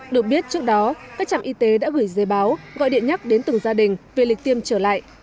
được biết trước đó các trạm y tế đã gửi dây báo gọi điện nhắc đến từng gia đình về lịch tiêm trở lại